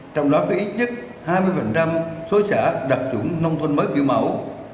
trong đó có ít nhất hai mươi số xã đạt chủng nông thôn mới kiểu mẫu